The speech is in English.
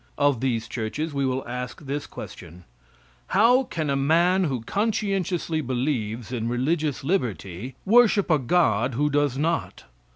Of these churches we will ask this question: "How can a man who conscientiously believes in religious liberty worship a God who does not?"